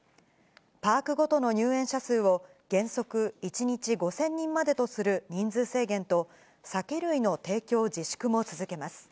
パークごとの入園者数を、原則１日５０００人までとする人数制限と、酒類の提供自粛も続けます。